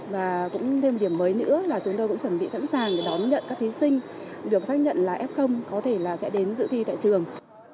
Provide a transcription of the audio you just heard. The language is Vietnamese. và cũng thêm điểm mới nữa là chúng tôi cũng chuẩn bị sẵn sàng để đón nhận các thí sinh được xác nhận là f có thể là sẽ đến dự thi tại trường